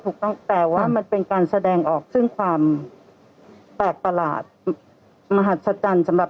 ถูกต้องแต่ว่ามันเป็นการแสดงออกซึ่งความแปลกประหลาดมหัศจรรย์สำหรับ